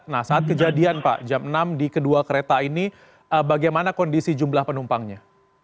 nah saat kejadian pak jam enam di kedua kereta ini bagaimana kondisi jumlah penumpangnya